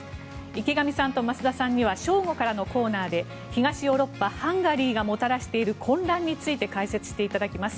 池上さんと増田さんには正午からのコーナーで東ヨーロッパ、ハンガリーがもたらしている混乱について解説していただきます。